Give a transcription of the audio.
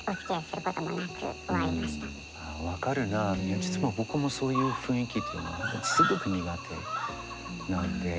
実は僕もそういう雰囲気っていうのはすごく苦手なんで。